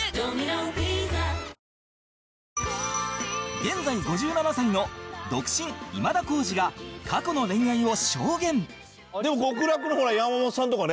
現在５７歳の独身今田耕司が過去の恋愛を証言でも極楽の山本さんとかね